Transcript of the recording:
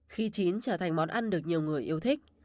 khi chín trở thành món ăn được nhiều người yêu thích